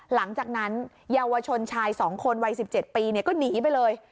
หลังจากนั้นเยาวชนชาย๒คนวัย๑๗ปีก็หนีไปเลย